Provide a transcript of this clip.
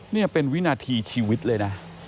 นี่เป็นวินาทีชีวิตเลยนะ